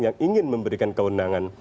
yang ingin memberikan kewenangan